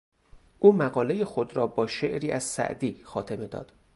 او مقالهی خود را با شعری از سعدی خاتمه داد.